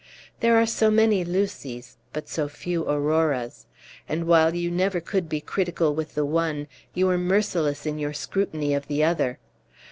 There are so many Lucys, but so few Auroras; and while you never could be critical with the one, you were merciless in your scrutiny of the other.